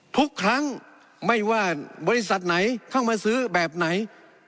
ทุกครั้งไม่ว่าบริษัทไหนเข้ามาซื้อแบบไหน